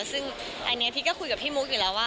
ซึ่งอันนี้พี่ก็คุยกับพี่มุกอยู่แล้วว่า